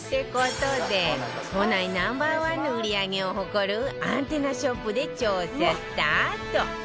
って事で都内 Ｎｏ．１ の売り上げを誇るアンテナショップで調査スタート！